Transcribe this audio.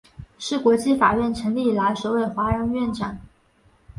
是国际法院成立以来首位华人院长。